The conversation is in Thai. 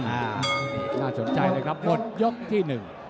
อ่าน่าสนใจเลยครับหมดยกที่๑